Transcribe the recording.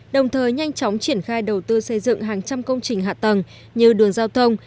đồng thời nhanh chóng triển khai đầu tư xây dựng hàng trăm công trình hạ tầng như đường giao thông